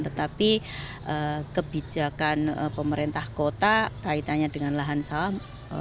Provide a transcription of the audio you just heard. tetapi kebijakan pemerintah kota kaitannya dengan lahan saham